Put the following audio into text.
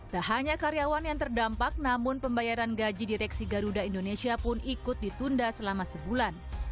tak hanya karyawan yang terdampak namun pembayaran gaji direksi garuda indonesia pun ikut ditunda selama sebulan